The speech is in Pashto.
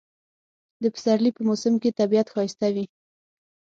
د پسرلی په موسم کې طبیعت ښایسته وي